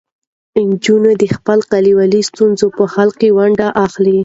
نجونې د خپلو کلیوالو ستونزو په حل کې ونډه اخلي.